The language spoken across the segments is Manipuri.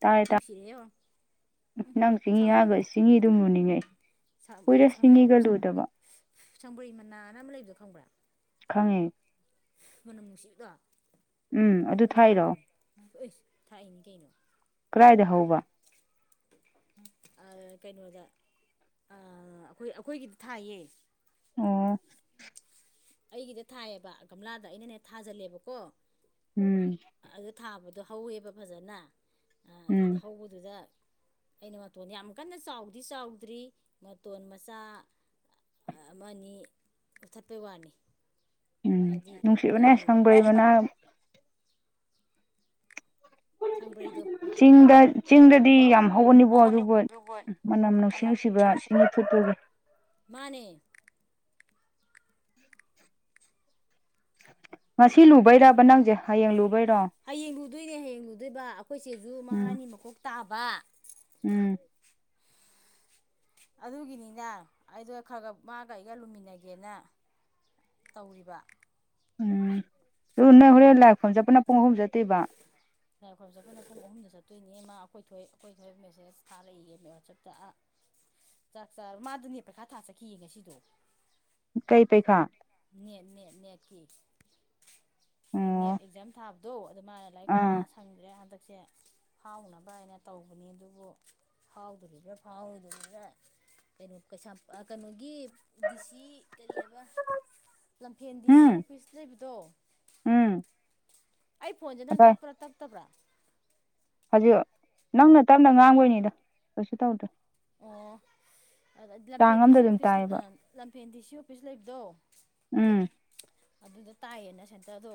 ꯇꯥꯔꯦ ꯇꯥꯏ ꯅꯨꯡꯁꯤꯔꯦ ꯅꯪ ꯆꯤꯡꯍꯤ ꯁꯪ ꯍꯥꯏꯕ ꯆꯤꯡꯍꯤꯗꯨꯝ ꯂꯨꯅꯤꯡꯉꯛꯏ ꯀꯨꯏꯔꯦ ꯆꯤꯡꯍꯤꯒ ꯂꯨꯗꯕ ꯁꯪꯕ꯭ꯔꯩ ꯃꯅꯥꯅ ꯑꯃ ꯂꯩꯕꯗꯣ ꯈꯪꯕ꯭ꯔꯥ ꯈꯪꯉꯦ ꯃꯅꯝ ꯅꯨꯡꯁꯤꯕꯗꯣ ꯎꯝ ꯑꯗꯨ ꯊꯥꯏꯔꯣ ꯍꯥꯞꯄꯤꯅꯦ ꯑꯩꯁ ꯊꯥꯛꯏꯅꯤ ꯀꯩꯅꯣ ꯀꯗꯥꯏꯗ [inaudible] ꯑꯥ ꯀꯩꯅꯣꯗ ꯑꯥ ꯑꯈꯣꯏ ꯑꯈꯣꯏꯒꯤꯗꯤ ꯊꯥꯏꯌꯦ ꯑꯣ ꯑꯩꯒꯤꯗ ꯊꯥꯏꯌꯦꯕ ꯒꯝꯂꯥꯗ ꯑꯩꯅꯅꯦ ꯊꯥꯖꯜꯂꯦꯕꯀꯣ ꯎꯝ ꯑꯗꯨ ꯊꯥꯕꯗꯣ ꯍꯧꯋꯦꯕ ꯐꯖꯅ ꯑꯥ ꯎꯝ ꯍꯧꯕꯗꯨꯗ ꯑꯩꯅ ꯃꯇꯣꯟ ꯌꯥꯝ ꯀꯟꯅ ꯆꯥꯎꯕꯗꯤ ꯆꯥꯎꯗ꯭ꯔꯤ ꯃꯇꯣꯟ ꯃꯆꯥ ꯑꯃ ꯅꯤ ꯀꯛꯊꯠꯄꯩ ꯋꯥꯅꯤ ꯎꯝ ꯍꯥꯏꯗꯤ ꯅꯨꯡꯁꯤꯕꯅꯦ ꯌꯥꯝ ꯁꯪꯕ꯭ꯔꯩ ꯃꯅꯝ ꯁꯪꯕ꯭ꯔꯩꯗꯣ ꯆꯤꯡꯗ ꯆꯤꯡꯗꯗꯤ ꯌꯥꯝ ꯍꯧꯕꯅꯤꯕꯣ ꯑꯗꯨꯕꯨ ꯍꯧꯒꯠꯅꯤꯡꯕꯗꯨꯕꯨ ꯃꯅꯝ ꯅꯨꯡꯁꯤ ꯅꯨꯡꯁꯤꯕ ꯅꯨꯡꯁꯤ ꯅꯨꯡꯁꯤ ꯆꯤꯡꯍꯤ ꯐꯨꯠꯄꯒꯤ ꯃꯥꯅꯦ ꯉꯁꯤ ꯂꯨꯕꯩꯔꯕ ꯅꯪꯖꯦ ꯍꯌꯦꯡ ꯂꯨꯕꯩ ꯍꯌꯦꯡ ꯂꯨꯗꯣꯏꯅꯦ ꯍꯌꯦꯡ ꯂꯨꯗꯣꯏꯕ ꯑꯩꯈꯣꯏꯆꯦꯁꯨ ꯎꯝ ꯃꯉꯥꯅꯤ ꯃꯀꯣꯛ ꯇꯥꯕ ꯎꯝ ꯑꯗꯨꯒꯤꯅꯤꯗ ꯑꯩꯗꯣ ꯈꯔ ꯈꯔ ꯃꯥꯒ ꯑꯩꯒ ꯂꯨꯃꯤꯟꯅꯒꯦꯅ ꯇꯧꯔꯤꯕ ꯎꯝ ꯑꯗꯨ ꯅꯣꯏ ꯍꯣꯔꯦꯟ ꯂꯥꯏ ꯈꯨꯔꯨꯝꯕ ꯆꯠꯄꯅ ꯄꯨꯡ ꯑꯍꯨꯝ ꯆꯠꯇꯣꯏꯕ ꯂꯥꯏ ꯈꯣꯏꯔꯨꯝꯕ ꯆꯠꯄꯅ ꯄꯨꯡ ꯑꯍꯨꯝꯗ ꯆꯠꯇꯣꯏꯅꯦ ꯃꯥ ꯑꯩꯈꯣꯏ ꯊꯣꯏ ꯑꯩꯈꯣꯏ ꯊꯣꯏ ꯃꯦꯁꯦꯖ ꯊꯥꯔꯛꯏꯌꯦ ꯋꯥꯆꯞꯇ ꯑꯥ ꯆꯥꯛ ꯆꯥꯔ ꯃꯥꯗꯨꯅꯦ ꯄꯩꯈꯥ ꯊꯥ ꯆꯠꯈꯤꯌꯦ ꯉꯁꯤꯗꯣ ꯀꯩ ꯄꯩꯈꯥ ꯅꯦꯠ ꯅꯦꯠ ꯅꯦꯠꯀꯤ ꯅꯦꯠ ꯑꯣ ꯑꯦꯛꯖꯥꯝ ꯊꯥꯕꯗꯣ ꯪꯃꯥꯅ ꯂꯥꯏꯔꯤꯛꯀ ꯄꯥ ꯑꯥ ꯁꯪꯗ꯭ꯔꯦ ꯍꯟꯗꯛꯁꯦ ꯐꯎꯅꯕ ꯍꯥꯏꯅ ꯇꯧꯕꯅꯤ ꯑꯗꯨꯕꯨ ꯐꯎꯗꯣꯔꯤꯕ꯭ꯔꯥ ꯐꯥꯎꯔꯣꯏꯗ꯭ꯔꯤꯕ꯭ꯔꯥ ꯀꯩꯅꯣ ꯀꯩꯁꯥꯝ ꯀꯩꯅꯣꯒꯤ ꯗꯤꯁꯤ ꯀꯔꯤ ꯍꯥꯏꯕ ꯂꯝꯐꯦꯟ ꯗꯤ ꯁꯤ ꯎꯝ ꯑꯣꯐꯤꯁ ꯂꯩꯕꯗꯣ ꯎꯝ ꯑꯩ ꯐꯣꯟꯁꯦ ꯅꯪ ꯑꯗꯥꯏ ꯇꯞꯄ꯭ꯔꯥ ꯇꯞꯇꯕ꯭ꯔꯥ ꯍꯧꯖꯤꯛ ꯅꯪꯅ ꯇꯞꯅ ꯉꯥꯡꯕꯩꯏꯅꯤꯗ ꯀꯩꯁꯨ ꯇꯧꯗꯦ ꯑꯗ ꯂꯝꯐꯦꯟ ꯆꯥꯡ ꯗꯤ ꯑꯝꯗ ꯁꯤ ꯑꯗꯨꯝ ꯑꯣꯐꯤꯁ ꯇꯥꯏꯌꯦꯕ ꯑꯥ ꯂꯝꯐꯦꯟ ꯗꯤ ꯁꯤ ꯑꯣꯐꯤꯁ ꯂꯩꯕꯗꯣ ꯎꯝ ꯑꯗꯨꯗ ꯇꯥꯏꯌꯦꯅ ꯁꯦꯟꯇꯔꯗꯣ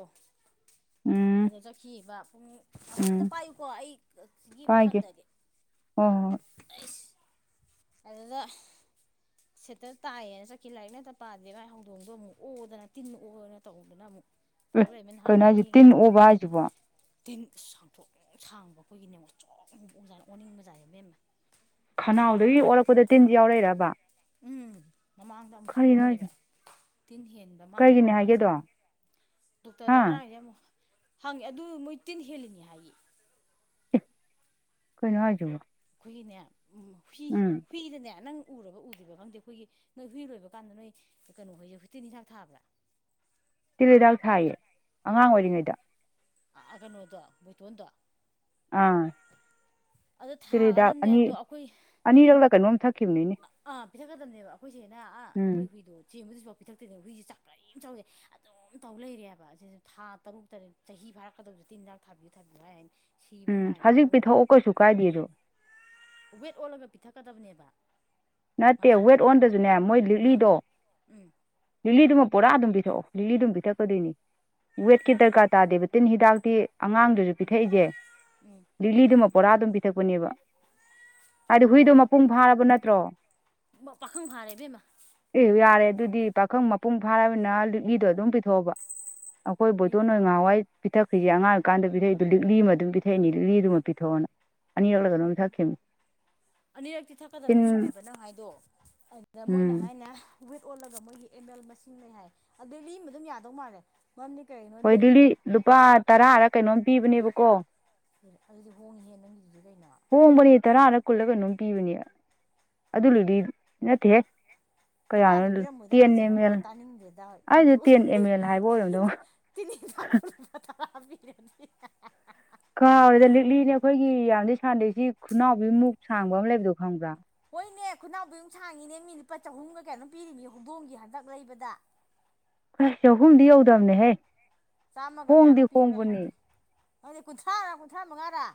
ꯎꯝ ꯑꯗ ꯆꯠꯈꯤꯕ ꯑꯟꯇ ꯎꯝ ꯄꯥꯏꯌꯨꯀꯣ ꯑꯩ ꯆꯤꯡꯍꯤ ꯑꯝ ꯄꯥꯏꯒꯦ ꯊꯥꯡꯗꯒꯦ ꯍꯣꯏ ꯍꯣꯏ ꯑꯏꯁ ꯑꯗꯨꯗ ꯁꯦꯠꯇꯔ ꯇꯥꯏꯌꯦꯅ ꯆꯠꯈꯤ ꯂꯥꯏꯔꯤꯛꯅ ꯄꯥꯗꯦ ꯃꯥꯏ ꯍꯧꯗꯣꯡꯗꯣ ꯑꯃꯨꯛ ꯑꯣꯗꯅ ꯇꯤꯟ ꯑꯣꯗꯅ ꯇꯧꯗꯅ ꯑꯃꯨꯛ ꯑꯦ ꯇꯧ ꯂꯩꯔꯝꯃꯦ ꯅꯍꯥꯟ ꯀꯩꯅꯣ ꯍꯥꯏꯖꯤ ꯂꯥꯏꯌꯦꯡꯉꯦ ꯇꯤꯟ ꯇꯧꯗꯅ ꯑꯣꯕ ꯍꯥꯏꯁꯤꯕꯣ ꯇꯤꯟ ꯁꯥꯡꯇ꯭ꯔꯣꯡ ꯁꯥꯡꯕ ꯑꯩꯈꯣꯏꯒꯤꯅꯦ ꯉꯧꯁꯣꯛ ꯉꯧꯕ ꯑꯣꯖꯥꯅꯤ ꯑꯣꯟꯅꯤꯡꯕꯖꯥꯠꯅꯤ ꯏꯕꯦꯝꯃ ꯊꯨꯛ ꯈꯅꯥꯎ ꯊꯨꯛ ꯗꯒꯤ ꯂꯥꯎꯔꯦ ꯑꯣꯔꯛꯄꯗ ꯇꯤꯟꯖꯦ ꯌꯥꯎꯔꯛꯏꯔꯕ ꯎꯝ ꯃꯃꯥꯡꯗ ꯑꯃꯨꯛꯁꯨ ꯀꯔꯤꯅꯣ ꯍꯥꯏꯁꯦ ꯑꯣꯍꯔꯦꯕ ꯇꯤꯟ ꯍꯦꯟꯕ ꯃꯥꯜꯂꯦꯕ ꯀꯩꯒꯤꯅꯦ ꯃꯥꯁꯦ ꯍꯥꯏꯒꯦꯗꯣ ꯍꯥ ꯗꯣꯛꯇꯔꯗ ꯉꯔꯥꯡꯁꯦ ꯑꯃꯨꯛ ꯍꯪꯉꯦ ꯑꯗꯨ ꯃꯣꯏ ꯇꯤꯟ ꯍꯦꯜꯂꯤꯅꯤ ꯍꯥꯏꯌꯦ ꯀꯩꯅꯣ ꯍꯥꯏꯖꯤꯕꯨ ꯑꯩꯈꯣꯏꯒꯤꯅꯦ ꯎꯝ ꯍꯨꯏ ꯍꯨꯏꯗꯅꯦ ꯅꯪ ꯎꯔꯕ ꯎꯗ꯭ꯔꯤꯕ [inaudible] ꯈꯪꯗꯦ ꯑꯩꯈꯣꯏꯒꯤ ꯅꯣꯏ ꯍꯨꯏ ꯂꯣꯏꯕ ꯀꯥꯟꯗ ꯅꯣꯏ ꯀꯩꯅꯣ ꯍꯣꯏꯖꯦ ꯇꯤꯟ ꯍꯤꯗꯥꯛ ꯊꯥꯕ꯭ꯔꯥ ꯇꯤꯜ ꯍꯤꯗꯥꯛ ꯊꯥꯏꯌꯦ ꯑꯉꯥꯡ ꯑꯣꯏꯔꯤꯉꯩꯗ ꯑꯥ ꯀꯩꯅꯣꯗ ꯕꯣꯏꯇꯣꯟꯗꯣ ꯑꯥ ꯑꯗꯣ ꯇꯤꯜ ꯍꯤꯗꯥꯛ ꯊꯥꯒꯗꯕꯅꯦ ꯑꯅꯤ ꯑꯗꯣ ꯑꯩꯈꯣꯏ ꯑꯅꯤꯔꯛꯂ ꯀꯩꯅꯣꯝ ꯊꯛꯈꯤꯕꯅꯤꯅꯦ ꯕꯅꯦꯕ ꯑꯩꯈꯣꯏ ꯆꯦꯅ ꯑꯥ ꯎꯝ ꯑꯩꯈꯣꯏ ꯍꯨꯏꯗꯣ ꯆꯦꯟꯕ ꯍꯨꯁꯤꯐꯥꯎ ꯄꯤꯊꯛꯇꯦ ꯍꯨꯏꯁꯦ ꯆꯥꯛ ꯀꯔꯤꯝ ꯆꯥꯎ ꯌꯥꯗꯦ ꯑꯗꯨꯝ ꯇꯧ ꯂꯩꯔꯦ ꯍꯥꯏꯕ ꯑꯁꯤꯁꯦ ꯊꯥ ꯇꯔꯨꯛ ꯇꯔꯦꯠ ꯆꯍꯤ ꯐꯥꯔꯛꯀꯗꯧꯕꯁꯦ ꯇꯤꯟ ꯍꯤꯗꯥꯛ ꯊꯥꯕꯤꯌꯨ ꯊꯥꯕꯤꯌꯨ ꯍꯥꯏ ꯍꯥꯏꯅ ꯁꯤꯕ ꯎꯝ ꯉꯥꯏꯔꯤꯔꯥ ꯍꯧꯖꯤꯛ ꯈꯪꯗ꯭ꯔꯦ ꯄꯤꯊꯛꯑꯣ ꯀꯩꯁꯨ ꯀꯥꯏꯗꯦ ꯑꯗꯣ ꯋꯦꯠ ꯑꯣꯜꯂꯒ ꯄꯤꯊꯛꯀꯗꯕꯅꯦꯕ ꯅꯠꯇꯦ ꯃꯥꯁꯦ ꯋꯦꯠ ꯑꯣꯟꯗꯁꯨꯅꯦ ꯃꯣꯏ ꯑꯥ ꯂꯤꯛꯂꯤꯗꯣ ꯎꯝ ꯂꯤꯛꯂꯤꯗꯨꯝ ꯄꯨꯔꯥ ꯑꯗꯨꯝ ꯄꯤꯊꯛꯑꯣ ꯂꯤꯛꯂꯤ ꯗꯨꯝ ꯄꯤꯊꯛꯀꯗꯣꯏꯅꯤ ꯋꯦꯠꯀꯤ ꯗꯔꯀꯥꯔ ꯇꯥꯗꯦꯕ ꯇꯤꯟ ꯍꯤꯗꯥꯛꯇꯤ ꯑꯉꯥꯡꯗꯁꯨ ꯄꯤꯊꯛꯏꯁꯦ ꯂꯤꯛꯂꯤꯗꯨꯃ ꯄꯣꯔꯥ ꯑꯗꯨꯝ ꯄꯤꯊꯛꯄꯅꯦꯕ ꯍꯥꯏꯗꯤ ꯍꯨꯏꯗꯣ ꯃꯄꯨꯡ ꯐꯥꯔꯕ ꯅꯠꯇ꯭ꯔꯣ ꯃ ꯄꯥꯈꯪ ꯐꯥꯔꯦ ꯏꯕꯦꯝꯃ ꯑꯦ ꯌꯥꯔꯦ ꯑꯗꯨꯗꯤ ꯄꯥꯈꯪ ꯃꯄꯨꯡ ꯐꯥꯔꯕꯅꯤꯅ ꯂꯤꯛꯂꯤꯗꯣ ꯑꯗꯨꯝ ꯄꯤꯊꯣꯛꯑꯣꯕ ꯑꯩꯈꯣꯏ ꯕꯣꯏꯇꯣꯟꯅꯥ ꯍꯣꯏ ꯅꯥꯍꯥꯟꯋꯥꯏ ꯄꯤꯊꯛꯈ꯭ꯔꯤꯖꯦ ꯑꯉꯥꯡ ꯑꯣꯏꯔꯤ ꯀꯥꯟꯗ ꯄꯤꯊꯛꯏꯗꯣ ꯂꯤꯛꯂꯤ ꯑꯃ ꯑꯗꯨꯝ ꯄꯤꯊꯛꯏꯅꯤ ꯂꯤꯛꯂꯤꯗꯨꯃ ꯄꯤꯊꯛꯑꯣꯅ ꯑꯅꯤꯔꯛꯂ ꯀꯩꯅꯣꯝ ꯊꯛꯈꯤꯕꯅꯦ ꯇꯤꯟ ꯑꯗꯣ ꯑꯗꯨꯗ ꯃꯣꯏꯅ ꯎꯝ ꯍꯥꯏꯅ ꯋꯦꯠ ꯑꯣꯜꯂꯒ ꯃꯣꯏꯒꯤ ꯑꯦꯝ ꯑꯦꯜ ꯃꯁꯤꯡ ꯂꯩꯩ ꯍꯥꯏ ꯑꯗꯨ ꯂꯤꯛꯂꯤ ꯑꯃ ꯑꯗꯨꯝ ꯌꯥꯗꯧ ꯃꯥꯜꯂꯦ ꯃꯔꯝꯗꯤ ꯍꯣꯏ ꯀꯔꯤꯅꯣꯗꯤ ꯂꯤꯛꯂꯤ ꯂꯨꯄꯥ ꯇꯔꯥꯔ ꯀꯩꯅꯣꯝ ꯄꯤꯕꯅꯦꯕꯀꯣ ꯑꯗꯨꯗꯤ ꯍꯣꯡꯉꯤꯍꯦ ꯅꯪꯒꯤꯗꯨꯗꯤ ꯀꯩꯅꯣ ꯍꯣꯡꯕꯅꯦ ꯇꯔꯥꯅ ꯀꯨꯜꯂ ꯀꯪꯅꯣꯝ ꯄꯤꯕꯅꯦ ꯑꯗꯨ ꯂꯩꯗꯤ ꯅꯠꯇꯦꯍꯦ ꯇꯔꯥꯗꯤ ꯀꯌꯥꯅꯣ ꯄꯤꯔꯝꯃꯣꯏꯗ ꯇꯦꯟ ꯄꯟꯆ ꯑꯦꯝ ꯅꯪꯕꯨ ꯑꯦꯜ ꯇꯥꯅꯤꯡꯗꯦꯗ ꯑꯩꯗꯣ ꯅꯪꯖꯨ ꯇꯦꯟ ꯑꯦꯝ ꯑꯦꯜ ꯍꯥꯏꯕ ꯑꯣꯏꯔꯝꯗꯧ [unintelligible] ꯇꯤꯟ ꯍꯤꯗꯥꯛꯄꯨ ꯂꯨꯄꯥ ꯇꯔꯥ ꯄꯤꯔꯗꯤ ꯍꯦ ꯍꯦ ꯍꯦ ꯀꯥꯎꯔꯦꯗ ꯂꯤꯛꯂꯤꯅꯦ ꯑꯈꯣꯏꯒꯤ ꯌꯥꯝꯗꯤ ꯁꯥꯡꯗꯦ ꯁꯤ ꯈꯨꯅꯥꯎꯕꯤ ꯃꯨꯛ ꯁꯥꯡꯕ ꯑꯃ ꯂꯩꯕꯗꯣ ꯈꯪꯕ꯭ꯔꯥ ꯍꯣꯏꯅꯦ ꯈꯨꯅꯥꯎꯕꯤ ꯃꯨꯛ ꯁꯥꯡꯉꯤꯅꯦ ꯃꯤ ꯂꯨꯄꯥ ꯆꯍꯨꯝꯒ ꯀꯌꯥꯅꯣꯝ ꯄꯤꯔꯤꯅꯤ ꯍꯧꯗꯣꯡꯒꯤ ꯍꯟꯗꯛ ꯂꯩꯕꯗ ꯍꯦ ꯆꯍꯨꯝꯗꯤ ꯌꯧꯗꯕꯅꯦꯍꯦ ꯆꯥꯝꯃꯒ ꯍꯣꯡꯗꯤ ꯀꯌꯥꯅꯣꯝ ꯄꯤꯕ꯭ꯔꯥ ꯍꯣꯡꯕꯅꯦ ꯈꯪꯗꯦ ꯈꯪꯗꯦ ꯀꯨꯟꯊ꯭ꯔꯥꯔ ꯀꯨꯟꯊ꯭ꯔꯥ ꯃꯉꯥꯔ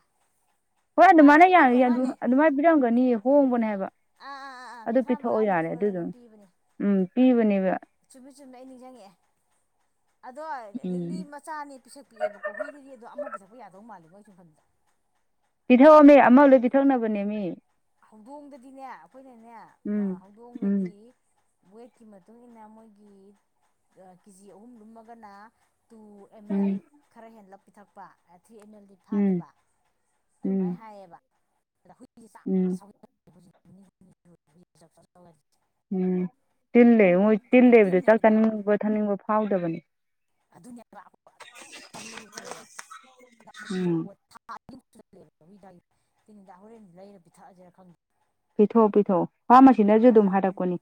ꯍꯣꯏ ꯑꯥ ꯑꯗꯨꯃꯥꯏꯅ ꯑꯗꯥꯏ ꯄꯤꯕ ꯑꯣꯏꯔ ꯌꯥꯏꯌꯥꯅꯨ ꯃꯥꯜꯂꯦ ꯑꯗꯨꯃꯥꯏ ꯄꯤꯔꯝꯒꯅꯤ ꯍꯣꯡꯕꯅꯦ ꯍꯥꯏꯕ ꯑꯥ ꯑꯥ ꯑꯥ ꯑꯥ ꯑꯗꯨ ꯀꯨꯟꯊ꯭ꯔꯥ ꯄꯤꯊꯛꯑꯣ ꯃꯉꯥ ꯌꯥꯔꯦ ꯅꯤꯐꯨꯔ ꯑꯗꯨꯗꯨꯝ ꯀꯩꯅꯣꯝ ꯄꯤꯕꯅꯦ ꯎꯝ ꯄꯤꯕꯅꯦꯕ ꯆꯨꯝꯃꯦ ꯆꯨꯝꯃꯦ ꯑꯩ ꯅꯤꯡꯖꯡꯉꯛꯑꯦ ꯑꯗꯣ ꯎꯝ ꯂꯤꯛꯂꯤ ꯃꯆꯥꯅꯦ ꯄꯤꯁꯛ ꯄꯤꯑꯦꯕꯀꯣ ꯍꯨꯏꯗꯗꯤ ꯑꯗꯣ ꯑꯃ ꯄꯤꯊꯛꯄ ꯌꯥꯗꯧ ꯃꯥꯜꯂꯦ ꯃꯣꯏ [unintelligible] ꯄꯤꯊꯛꯑꯣꯃꯤ ꯑꯃ ꯂꯣꯏ ꯄꯤꯊꯛꯅꯕꯅꯦꯃꯤ ꯍꯧꯗꯣꯡꯗꯗꯤꯅꯦ ꯑꯩꯈꯣꯏꯅꯅꯦ ꯎꯝ ꯑꯥ ꯎꯝ ꯍꯧꯗꯣꯡꯗꯗꯤ ꯋꯦꯠꯀꯤ ꯃꯇꯨꯡꯏꯟꯅ ꯃꯣꯏꯒꯤ ꯑꯥ ꯀꯦꯖꯤ ꯑꯍꯨꯝ ꯂꯨꯝꯃꯒꯅ ꯇꯨꯕꯨ ꯑꯦꯝ ꯎꯝ ꯑꯦꯜ ꯈꯔ ꯍꯦꯟꯂꯞ ꯄꯤꯊꯛꯄ ꯊ꯭ꯔꯤ ꯑꯦꯝ ꯑꯦꯜꯗꯤ ꯎꯝ ꯐꯥꯗꯕ ꯑꯗꯨꯃꯥꯏꯅ ꯎꯝ ꯍꯥꯏꯌꯦꯕ ꯑꯗ ꯍꯨꯏꯁꯦ ꯆꯥꯛ ꯎꯝ [unintelligible] ꯎꯝ ꯇꯤꯜꯂꯦ ꯑꯗꯨꯅ ꯃꯣꯏ ꯇꯤꯜꯂꯩꯕꯗꯣ ꯇꯤꯟ ꯆꯥꯛ ꯆꯥꯅꯤꯡꯕ ꯊꯛꯅꯤꯡꯕ ꯐꯥꯎꯗꯕꯅꯦ ꯑꯗꯨꯅꯦꯕ [unintelligible] ꯑꯗꯨꯝ ꯇꯧ ꯂꯩꯔꯦꯕ ꯎꯝ [unintelligible] ꯇꯤꯟ ꯍꯤꯗꯥꯛ ꯍꯣꯔꯦꯟꯗꯤ ꯂꯩꯔ ꯄꯤꯊꯛꯑꯖꯤꯔꯥ ꯈꯪꯗꯦ ꯄꯤꯊꯛꯑꯣ ꯄꯤꯊꯛꯑꯣ ꯐꯥꯔꯃꯁꯤꯅꯁꯨ ꯕꯦꯔꯥ ꯑꯗꯨꯝ ꯀꯥꯟ ꯍꯥꯢꯔꯛꯄꯅꯤ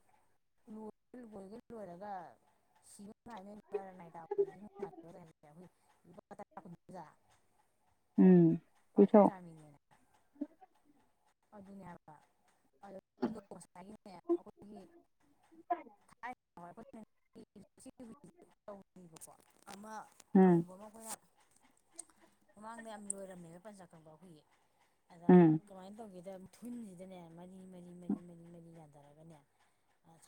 ꯂꯣꯏꯕ ꯂꯣꯏꯔꯒ [inaudible] [unintelligible] ꯎꯝ ꯄꯥꯡꯊꯣꯛ ꯄꯤꯊꯛꯑꯣ ꯆꯥꯃꯤꯅꯦꯅ ꯑꯗꯨꯅꯦ ꯍꯥꯢꯕ [unintelligible] ꯉꯁꯥꯏꯒꯤꯅꯦ [unintelligible] [unintelligible] ꯑꯃ ꯎꯝ ꯑꯃꯨꯕ ꯑꯃ ꯑꯩꯈꯣꯏꯅ ꯃꯃꯥꯡꯗ ꯌꯥꯝ ꯂꯣꯏꯔꯝꯃꯦꯕ ꯄꯟꯖꯥ ꯈꯪꯕ꯭ꯔ ꯍꯨꯏ ꯑꯗ ꯎꯝ ꯀꯃꯥꯏꯅ ꯇꯧꯒꯦꯗ ꯊꯨꯟꯁꯤꯗꯅꯦ ꯃꯔꯤ ꯃꯔꯤ ꯃꯔꯤ ꯃꯔꯤ ꯃꯔꯤ ꯌꯥꯟꯊꯔꯒꯅꯦ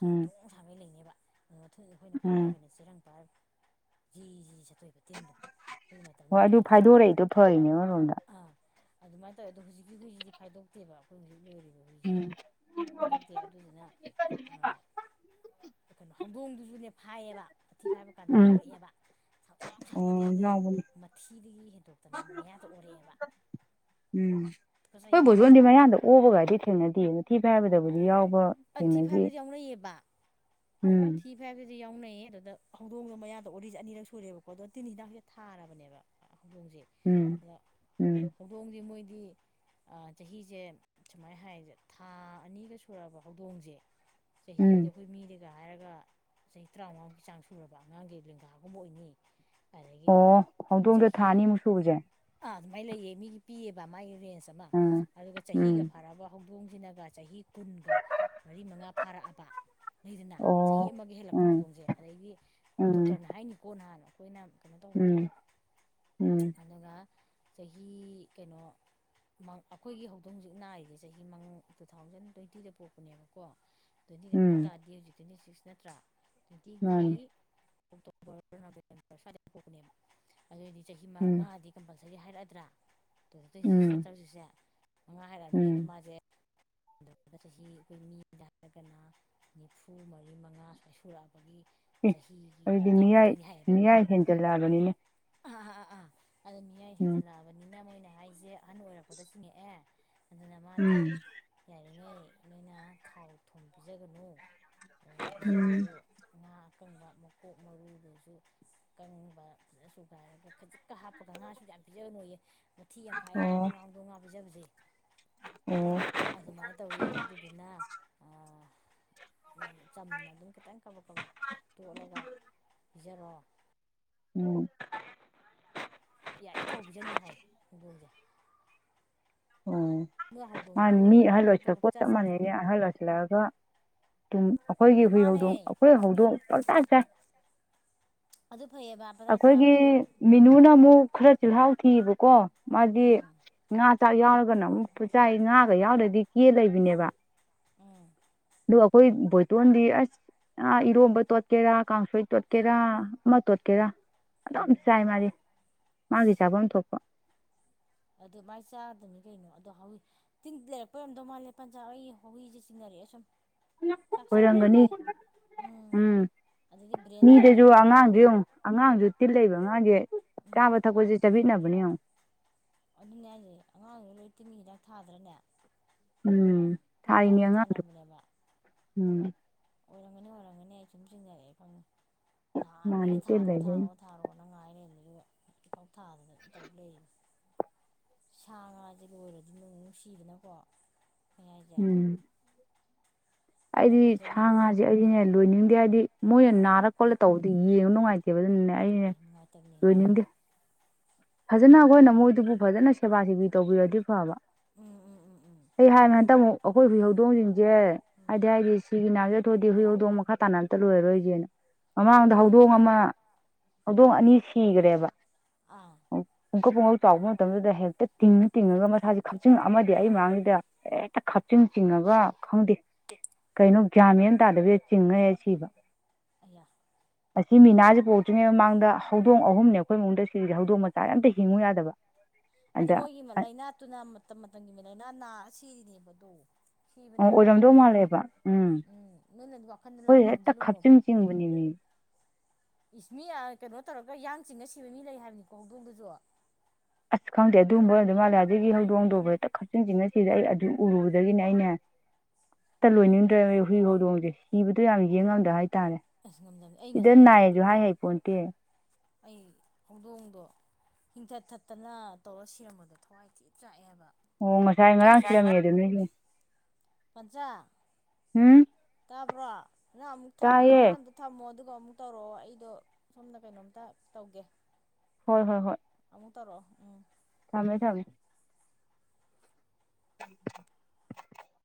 ꯎꯝ ꯁꯥꯡꯒꯩ ꯂꯩꯅꯦꯕ ꯑꯗꯨꯗ ꯃꯊꯟꯁꯦ ꯑꯩꯈꯣꯏꯅ ꯎꯝ ꯄꯥꯏꯔꯒꯅꯦ ꯆꯦꯔꯪ ꯄꯥꯏꯔ ꯖꯤꯖꯤ ꯆꯠ ꯇꯤꯟꯗꯣ ꯑꯈꯣꯢꯗꯤ ꯍꯣꯏ ꯑꯗꯨ ꯃꯇꯝꯗꯨꯗ ꯍꯤꯗꯥꯛꯄꯤ ꯐꯥꯏꯗꯣꯔꯛꯏꯗꯣ ꯐꯔꯤꯅꯦ ꯑꯃꯔꯣꯝꯗ ꯑꯥ ꯑꯗꯨꯃꯥꯏꯅ ꯇꯧꯋꯦ ꯑꯗꯣ ꯍꯧꯖꯤꯛꯀꯤ ꯍꯨꯏꯁꯤꯗꯤ ꯐꯥꯏꯗꯣꯛꯇꯦꯕ ꯑꯩꯈꯣꯢ ꯍꯧꯖꯤꯛ ꯂꯣꯏꯔꯤ ꯎꯝ ꯐꯥꯢꯗꯣꯛꯇꯦ ꯑꯗꯨꯗꯨꯅ ꯑꯥ ꯀꯩꯅꯣ ꯍꯧꯗꯣꯡꯗꯨꯁꯨꯅꯦ ꯐꯥꯏꯌꯦꯕ ꯃꯊꯤ ꯐꯥꯏꯕ ꯀꯥꯟꯗ ꯎꯝ ꯌꯥꯎꯔꯛꯑꯦꯕ ꯁꯥꯡꯇ꯭ꯔꯣꯛ ꯁꯥꯡꯒꯩ ꯑꯣ ꯑꯗꯩꯅꯦ ꯌꯥꯎꯕꯅꯤ ꯃꯊꯤꯗꯒꯤ ꯍꯦꯟꯗꯣꯛꯇꯅ ꯃꯌꯥꯗ ꯑꯣꯔꯛꯑꯦꯕ ꯎꯝ ꯈꯣꯢ ꯇꯨꯀꯠꯆꯩꯑꯕ ꯕꯣꯖꯣꯟꯗꯤ ꯃꯌꯥꯗ ꯑꯣꯕꯒꯗꯤ ꯊꯦꯡꯅꯗꯦ ꯃꯊꯤꯐꯥꯢꯕꯗꯕꯨꯗꯤ ꯌꯥꯎ ꯑꯥ ꯊꯤ ꯐꯥꯏꯕꯗꯗꯤ ꯌꯥꯎꯅꯩꯌꯦꯕ ꯎꯝ ꯊꯤ ꯐꯥꯏꯕꯁꯤꯗꯤ ꯌꯥꯎꯅꯩ ꯅꯦ ꯑꯗꯨꯗ ꯍꯧꯗꯣꯡꯗꯣ ꯃꯌꯥꯗ ꯑꯣꯔꯛꯢꯁꯦ ꯑꯅꯤꯔꯛ ꯁꯨꯔꯦꯕꯀꯣ ꯑꯗꯣ ꯇꯤꯟꯍꯤꯗꯥꯛꯁꯦ ꯊꯥꯔꯕꯅꯦꯕ ꯍꯧꯗꯣꯡꯁꯦ ꯎꯝ ꯑꯗ ꯎꯝ ꯍꯧꯗꯣꯡꯁꯦ ꯃꯣꯏ ꯗꯤ ꯑꯥ ꯆꯍꯤꯁꯦ ꯁꯨꯃꯥꯏꯅ ꯍꯥꯏꯖꯦ ꯊꯥ ꯑꯅꯤꯒ ꯁꯨꯔꯕ ꯍꯧꯗꯣꯡꯁꯦ ꯆꯍꯤꯗ ꯎꯝ ꯑꯩꯈꯣꯏ ꯃꯤꯗ ꯒ ꯍꯥꯏꯔꯒ ꯆꯍꯤ ꯇꯔꯥꯃꯉꯥꯃꯨꯛꯀꯤ ꯆꯥꯡ ꯁꯨꯔꯕ ꯑꯉꯥꯡꯒꯤ ꯂꯦꯡꯒꯥꯒꯨꯝꯕ ꯑꯣꯏꯅꯤ ꯑꯣ ꯑꯗꯒꯤꯗꯤ ꯍꯧꯗꯣꯡꯗ ꯆꯍꯤ ꯊꯥꯑꯅꯤꯃꯨꯛ ꯁꯨꯕꯁꯦ ꯑꯗꯨꯃꯥꯏꯅ ꯂꯩꯌꯦ ꯃꯤꯒꯤ ꯄꯤꯌꯦꯕ ꯃꯥꯒꯤ ꯔꯦꯟꯖ ꯑꯃ ꯎꯝ ꯑꯗꯨꯒ ꯎꯝ ꯆꯍꯤꯒ ꯐꯔꯕ ꯍꯧ ꯗꯣꯡꯁꯤꯅꯒ ꯆꯍꯤ ꯀꯨꯟꯒ ꯃꯔꯤ ꯃꯉꯥ ꯐꯥꯔꯛꯑꯕ ꯂꯩꯗꯅ ꯆꯍꯤ ꯑꯣ ꯑꯃꯒ ꯍꯦꯜꯂꯛꯄ ꯎꯝ ꯍꯧꯗꯣꯡꯁꯦ ꯑꯗꯩꯗꯤ ꯎꯝ ꯗꯣꯛꯇꯔꯅ ꯍꯥꯏꯅꯤꯀꯣ ꯅꯍꯥꯟ ꯑꯩꯈꯣꯏꯅ ꯀꯩꯅꯣ ꯇꯧꯕꯗ ꯎꯝ ꯎꯝ ꯑꯗꯨꯒ ꯆꯍꯤ ꯀꯩꯅꯣ ꯃꯥ ꯑꯩꯈꯣꯏꯒꯤ ꯍꯧꯗꯣꯡ ꯍꯧꯖꯤꯛ ꯅꯥꯏꯔꯤꯁꯦ ꯆꯍꯤ ꯃꯉꯥ ꯇꯨ ꯊꯥꯎꯖꯟ ꯇ꯭ꯋꯦꯟꯇꯤꯗ ꯄꯣꯛ ꯄꯅꯦꯕꯀꯣ ꯇ꯭ꯋꯦꯟꯇꯤꯗ ꯄꯣꯛꯄ ꯎꯝ ꯇꯥꯔꯗꯤ ꯍꯧꯖꯤꯛ ꯇ꯭ꯋꯦꯟꯇꯤ ꯁꯤꯛꯁ ꯅꯠꯇ꯭ꯔꯥ ꯃꯥꯅꯤ ꯇ꯭ꯋꯦꯟꯇꯤꯒꯤ ꯑꯣꯛꯇꯣꯕꯔ ꯅꯕꯦꯝꯕꯔ ꯁ꯭ꯋꯥꯏꯗ ꯀꯣꯛꯄꯅꯦꯕ ꯑꯗꯨꯑꯣꯏꯗꯤ ꯆꯍꯤ ꯎꯝ ꯃꯉꯥꯗꯤ ꯀꯝꯄꯜ ꯉꯁꯥꯏꯒꯤ ꯍꯥꯏꯔꯛꯑꯗ꯭ꯔꯥ ꯇꯨ ꯊꯥꯎꯖꯟ ꯇ꯭ꯋꯦꯟꯇꯤ ꯁꯤꯛꯁ ꯎꯝ ꯅꯠꯇ꯭ꯔ ꯍꯧꯖꯤꯛꯁꯦ ꯃꯉꯥ ꯍꯥꯏꯔꯛꯑꯕꯅꯤꯅ ꯎꯝ ꯃꯥꯁꯦ ꯑꯗꯨꯒ ꯆꯍꯤ ꯑꯩꯈꯣꯏ ꯃꯤꯗ ꯍꯥꯏꯔꯒꯅ ꯅꯤꯐꯨ ꯃꯔꯤ ꯃꯉꯥ ꯁ꯭ꯋꯥꯢ ꯁꯨꯔꯛꯑꯕꯒꯤ ꯑꯦ ꯆꯍꯤꯒꯤ ꯑꯗꯨꯗꯤ ꯃꯇꯥꯡ ꯃꯤꯌꯥꯏ ꯑꯣꯏꯗꯣꯏꯅꯤ ꯍꯥꯏꯌꯦꯕ ꯃꯤꯌꯥꯏ ꯍꯦꯟꯖꯜꯂꯛꯑꯕꯅꯤꯅꯦ ꯑꯥ ꯑꯥ ꯑꯥ ꯑꯥ ꯑꯗꯨꯗꯣ ꯃꯤꯌꯥꯏ ꯎꯝ ꯍꯦꯟꯖꯜꯂꯛꯑꯕꯅꯤꯅ ꯃꯣꯏꯅ ꯍꯥꯏꯁꯦ ꯑꯍꯟ ꯑꯣꯏꯔꯛꯄꯗ ꯆꯤꯡꯉꯛꯑꯦ ꯑꯗꯨꯅ ꯃꯥꯗꯤ ꯎꯝ ꯌꯥꯔꯤꯉꯩ ꯅꯣꯏꯅ ꯊꯥꯎ ꯊꯨꯝ ꯄꯤꯖꯒꯅꯨ ꯎꯝ ꯄꯤꯖꯔꯁꯨ ꯉꯥ ꯑꯀꯪꯕ ꯃꯀꯣꯛ ꯃꯔꯨꯗꯨꯁꯨ ꯑꯀꯪꯕ ꯐꯖꯅ ꯁꯨꯒꯥꯏꯔꯒ ꯈꯖꯤꯛꯀ ꯍꯥꯞꯄꯒ ꯉꯥꯁꯨ ꯌꯥꯝ ꯄꯤꯖꯒꯅꯨꯌꯦ ꯃꯊꯤ ꯌꯥꯝ ꯐꯥꯏ ꯑꯣ ꯍꯥꯏꯌꯦꯕ ꯉꯍꯧꯗꯣꯡ ꯉꯥ ꯄꯤꯖꯕꯁꯦ ꯑꯣ ꯑꯗꯨꯃꯥꯏꯅ ꯇꯧꯋꯤ ꯑꯗꯨꯗꯨꯅ [inaudible] ꯆꯝꯅ ꯑꯗꯨꯝ ꯈꯤꯇꯪ ꯀꯕꯛ ꯀꯕꯛ ꯇꯣꯠꯂꯒ ꯄꯤꯖꯔꯣ ꯎꯝ ꯌꯥꯏꯒꯩ ꯊꯥꯎ ꯄꯤꯖꯅꯨ ꯍꯥꯏ ꯍꯧꯗꯣꯡꯁꯦ ꯎꯝ ꯅꯣꯏ ꯃꯅꯤ ꯍꯧꯗꯣꯡꯗꯨꯕꯨ ꯃꯤ ꯑꯍꯜ ꯑꯇꯣꯞ ꯑꯇꯣꯞꯄ ꯑꯣꯏꯁꯤꯜꯂꯛꯄ ꯄꯪꯆꯥ ꯆꯞ ꯆꯥꯗ꯭ꯔꯣ ꯃꯥꯟꯅꯩꯅꯦ ꯑꯍꯜ ꯑꯣꯏꯣꯏꯁꯤꯜꯂꯛꯑꯒ ꯇꯨꯡ ꯑꯩꯈꯣꯏꯒꯤ ꯍꯨꯏ ꯃꯥꯅꯦ ꯍꯧꯗꯣꯡ ꯑꯩꯈꯣꯏ ꯍꯧꯗꯣꯡ ꯄꯪꯆꯥ ꯆꯥꯏ ꯑꯗꯨ ꯐꯩꯌꯦꯕ ꯄꯪꯆꯥ ꯑꯩꯈꯣꯏꯒꯤ ꯆꯥꯕꯗꯣ ꯃꯤꯅꯨꯅ ꯑꯃꯨꯛ ꯈꯔ ꯆꯤꯜꯍꯥꯎ ꯊꯤꯑꯕꯀꯣ ꯃꯥꯗꯤ ꯎꯝ ꯉꯥ ꯆꯥꯛ ꯌꯥꯎꯔꯒꯅ ꯑꯃꯨꯛ ꯆꯥꯏ ꯉꯥꯒ ꯌꯥꯎꯗ꯭ꯔꯗꯤ ꯀꯦ ꯂꯩꯕꯤꯅꯦꯕ ꯎꯝ ꯑꯣ ꯑꯩꯈꯣꯏ ꯕꯣꯢꯇꯣꯟꯗꯤ ꯑꯁ ꯏꯔꯣꯝꯕ ꯇꯣꯠꯀꯦꯔꯥ ꯀꯥꯡꯁꯣꯏ ꯇꯣꯠꯀꯦꯔꯥ ꯑꯃ ꯇꯣꯠꯀꯦ ꯀꯦꯔꯥ ꯑꯗꯨꯝ ꯆꯥꯏ ꯃꯥꯜꯗꯤ ꯃꯥꯒꯤ ꯆꯥꯚꯝ ꯊꯣꯛꯄ ꯑꯗꯨ ꯃꯥꯏ ꯆꯥꯗꯕꯅꯤ ꯀꯩꯅꯣ ꯑꯗꯣ ꯍꯥꯎꯋꯤ ꯇꯤꯟ ꯂꯩꯔꯛꯄꯩ ꯑꯣꯢꯔꯝꯗꯧ ꯃꯥꯜꯂꯦ ꯄꯟꯖ ꯑꯩ ꯍꯧꯋꯤꯁꯦ ꯆꯤꯡꯅꯔꯦ ꯀꯔꯤ ꯁꯨꯝ ꯆꯥꯛ ꯆꯥꯎ ꯑꯣꯏꯔꯝꯒꯅꯤ ꯌꯥꯔꯛꯇ꯭ꯔꯤꯁꯦ ꯎꯝ ꯑꯗꯨꯗꯤ ꯕ꯭ꯔꯦꯟꯗ ꯃꯤꯗꯁꯨ ꯍꯥꯏꯒꯠꯂꯗꯤ ꯑꯉꯥꯡꯖꯦ ꯕꯤꯔꯥꯅꯤ ꯌꯦꯡꯉꯨ ꯑꯉꯥꯡꯖꯦ ꯇꯤꯜꯂꯩꯏꯕ ꯑꯉꯥꯡꯁꯦ ꯎꯝ ꯆꯥꯕ ꯊꯛ ꯄꯁꯦ ꯆꯥꯕꯤꯠꯅꯕꯅꯦ ꯌꯦꯡꯎ ꯑꯗꯨꯅꯦ ꯍꯥꯏꯁꯦ ꯑꯉꯥꯡꯒꯩ ꯂꯣꯏ ꯇꯤꯟꯒꯤ ꯍꯤꯗꯥꯛ ꯊꯥꯗ꯭ꯔꯅꯦ ꯎꯝ ꯇꯤꯟ ꯍꯤꯗꯥꯛ ꯊꯥꯔꯤꯅꯤ ꯂꯣꯏ ꯑꯉꯥꯡꯖꯨ ꯊꯥꯅꯕꯅꯦꯕ ꯎꯝ ꯑꯣꯏꯔꯝꯒꯅꯤ ꯑꯣꯔꯝꯒꯅꯤ ꯑꯩꯥ ꯁꯨꯝ ꯆꯤꯡꯅꯔꯛꯑꯦ ꯅꯍꯥꯟꯗꯒꯤ ꯃꯥꯅꯤ ꯇꯦꯟ ꯊꯥꯔꯣ ꯊꯥꯔꯣ ꯂꯩꯕꯩꯅꯤ ꯊꯥꯔꯣꯅ ꯉꯥꯏ ꯂꯩꯔꯤꯅꯦ ꯑꯗꯨꯒ ꯍꯧꯐꯥꯎ ꯊꯥꯗꯅ ꯑꯗꯨꯝ ꯇꯧ ꯂꯩꯔꯤꯅꯤ ꯁꯥ ꯉꯥꯁꯦ ꯂꯣꯏꯔꯗꯤ ꯅꯨꯡ ꯅꯨꯡꯁꯤꯗꯅꯀꯣ ꯎꯝ ꯑꯗꯨꯅ ꯑꯩꯗꯤ ꯑꯩꯈꯣꯏ ꯁꯥ ꯊꯣꯏꯅ ꯉꯥꯁꯦ ꯑꯩꯗꯤꯅꯦ ꯂꯣꯏꯅꯤꯡꯗꯦ ꯍꯥꯏꯗꯤ ꯃꯣꯏꯅ ꯎꯝ ꯅꯥꯔ ꯈꯣꯠꯂ ꯇꯧꯕꯗꯤ ꯌꯦꯡꯕ ꯅꯨꯡꯉꯥꯏꯇ ꯑꯗꯨ ꯑꯩꯩꯅꯦ ꯅꯨꯡꯉꯥꯏꯇꯕꯅꯤ ꯂꯣꯏꯅꯤꯡꯗꯦ ꯐꯖꯅ ꯍꯣꯏ ꯑꯩꯈꯣꯏꯅ ꯃꯣꯏꯗꯨꯕꯨ ꯐꯖꯅ ꯁꯦꯕꯥ ꯁꯦꯕꯤ ꯇꯧꯕꯤꯔꯗꯤ ꯐꯕ ꯎꯝ ꯎꯝ ꯎꯝ ꯎꯝ ꯑꯩ ꯍꯥꯏ ꯉꯥꯛꯇ ꯑꯃꯨꯛ ꯑꯩꯈꯣꯏ ꯍꯨꯏ ꯍꯧꯗꯣꯡꯁꯤꯡꯁꯦ ꯍꯥꯏꯗꯤ ꯍꯥꯏꯗꯤ ꯍꯥꯏꯍꯩꯗꯦ ꯁꯤꯒꯤ ꯅꯥꯒꯤꯕꯒ ꯊꯣꯛꯑꯗꯤ ꯍꯨꯏ ꯍꯧꯗꯣꯡ ꯃꯈꯥ ꯇꯥꯅ ꯑꯝꯇ ꯂꯣꯏꯔꯣꯏꯒꯦꯅ ꯃꯃꯥꯡꯗ ꯍꯧꯗꯣꯡ ꯂꯣꯏꯔꯒꯤꯅꯨ ꯑꯃ ꯍꯧꯗꯣꯡ ꯑꯅꯤ ꯁꯤꯒꯔꯦꯕ ꯑꯥ ꯄꯨꯡꯀꯞ ꯄꯨꯡꯀꯞ ꯆꯥꯎꯕ ꯃꯇꯝꯗꯨꯗ ꯍꯦꯛꯇ ꯇꯤꯡꯉ ꯇꯤꯡꯉꯒ ꯃꯁꯥꯁꯦ ꯈꯞꯆꯤꯡ ꯑꯃꯗꯤ ꯑꯩ ꯑꯥ ꯃꯥꯡꯁꯤꯗ ꯍꯦ ꯍꯦꯛꯇ ꯈꯞꯆꯤꯡ ꯆꯤꯡꯉꯒ ꯈꯪꯗꯦ ꯀꯩꯅꯣ ꯒ꯭ꯌꯥꯟ ꯃꯦꯟ ꯑꯃ ꯇꯥꯗꯕꯤꯗ ꯆꯤꯡꯉ ꯍꯦꯛ ꯁꯤꯕ ꯑꯌꯥ ꯑꯁꯤ ꯃꯤꯅꯥꯁꯤ ꯄꯨꯔꯛꯇ꯭ꯔꯤꯉꯩ ꯃꯃꯥꯡꯗ ꯍꯧꯗꯣꯡ ꯑꯍꯨꯝꯅꯦ ꯑꯩꯈꯣꯏ ꯃꯅꯨꯡꯗ ꯁꯤꯔꯤꯖꯦ ꯍꯧꯗꯣꯡ ꯃꯆꯥ ꯑꯝꯇ ꯍꯤꯡꯉꯨ ꯌꯥꯗꯕ ꯑꯗꯨ ꯑꯗ ꯃꯣꯏꯒꯤ ꯑ ꯂꯥꯏꯅꯥꯇꯨꯅ ꯃꯇꯝ ꯃꯇꯝꯒꯤ ꯂꯥꯏꯅꯥ ꯅꯥꯔ ꯁꯤꯔꯤꯅꯦꯕꯗꯣ ꯑꯣ ꯑꯣꯏꯔꯝꯗꯧ ꯃꯥꯜꯂꯦꯕ ꯎꯝ ꯅꯣꯏꯅꯗꯤ ꯋꯥꯈꯟꯗ ꯍꯣꯏ ꯂꯥꯟꯅ ꯍꯦꯛꯇ ꯈꯟꯖꯜꯂꯨꯅꯣꯕ ꯈꯞꯆꯤꯡ ꯆꯤꯡꯕꯅꯦ ꯃꯤ [inaudible] ꯏꯁ ꯃꯤ ꯀꯩꯅꯣ ꯇꯧꯔꯒ ꯌꯥꯡ ꯆꯤꯡꯉ ꯁꯤꯕ ꯃꯤ ꯂꯩ ꯍꯥꯏꯕꯅꯤꯀꯣ ꯍꯧꯗꯣꯡꯗꯁꯨ ꯑꯁ ꯈꯪꯗꯦ ꯑꯗꯨꯒꯨꯝꯕ ꯑꯣꯏꯔꯝꯗꯧ ꯃꯥꯂꯦ ꯑꯗꯒꯤ ꯍꯧꯗꯣꯡꯗꯨ ꯎꯔꯨꯕꯗ ꯈꯞꯆꯤꯡ ꯆꯤꯡꯑ ꯁꯤ ꯑꯩ ꯑꯗꯨ ꯎꯔꯨꯕꯗꯒꯤꯅꯦ ꯑꯩꯅꯦ ꯇ ꯂꯣꯏꯅꯤꯡꯗ꯭ꯔꯦꯕ ꯍꯨꯏ ꯍꯧꯗꯣꯡꯁꯦ ꯁꯤꯕꯗ ꯌꯥꯝ ꯌꯦꯡꯉꯝꯗꯦ ꯍꯥꯏ ꯑꯁ ꯉꯝꯗꯝꯃꯤ ꯑꯩ ꯉꯁꯥꯏ ꯑꯩ ꯀꯞꯄꯤ ꯍꯥꯏ ꯀꯩꯅꯣ ꯍꯩꯄꯣꯟꯇꯦ ꯑꯩ ꯍꯧꯗꯣꯡꯗꯣ ꯍꯤꯡꯊꯠ ꯊꯠꯇꯅ ꯇꯧꯔ ꯁꯤꯔꯝꯕꯗꯣ ꯊꯋꯥꯏ ꯊꯤ ꯆꯥꯛꯑꯦꯕ ꯑꯣ ꯉꯁꯥꯏ ꯉꯔꯥꯡ ꯁꯤꯔꯝꯃꯦ ꯑꯗꯨ ꯅꯣꯏꯒꯤ ꯄꯟꯆꯥ ꯎꯝ ꯇꯥꯕ꯭ꯔꯣ ꯅꯪ ꯑꯃꯨꯛ ꯊꯝ ꯇꯥꯏꯌꯦ ꯅꯪ ꯑꯝꯇ ꯊꯝꯃꯣ ꯑꯗꯨꯒ ꯀꯣ ꯑꯃꯨꯛ ꯇꯧꯔꯛꯑꯣ ꯑꯩꯗꯣ ꯁꯣꯝꯅ ꯀꯩꯅꯣꯝꯇ ꯇꯧꯒꯦ ꯍꯣꯏ ꯍꯣꯏ ꯍꯣꯏ ꯑꯃꯨꯛ ꯇꯧꯔꯛꯑꯣ ꯎꯝ ꯊꯝꯃꯦ ꯊꯝꯃꯦ [unintelligible]